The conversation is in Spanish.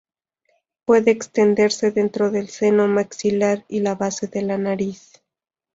Puede extenderse dentro del seno maxilar y la base de la nariz.